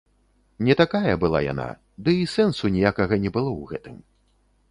Не такая была яна, ды і сэнсу ніякага не было ў гэтым.